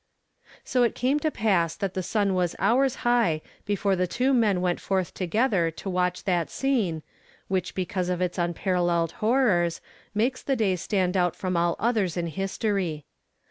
So it came to pass that the sun was hours high before the two men went forth together to watch that scene, which because of its unparalleled hor rors, makes the day stand out from all others in his tory.